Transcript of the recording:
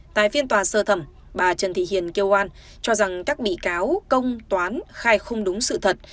tại phiên tòa sơ thẩm bà trần thị hiền kêu an cho rằng các bị cáo công toán khai không đúng sự thật